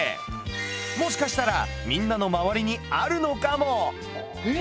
もしかしたらみんなのまわりにあるのかも！